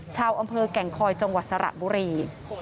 ชาวอำเภอแก่งคอยจังหวัดสระบุรี